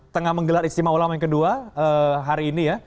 tengah menggelar istimewa ulama yang kedua hari ini ya